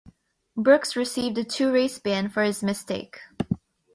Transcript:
Brookes received a two-race ban for his mistake.